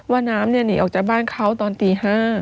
ว่าน้ำหนีออกจากบ้านเขาตอนตี๕